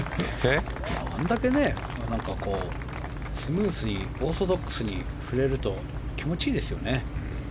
あんだけスムースにオーソドックスに振れると気持ちいいですよね。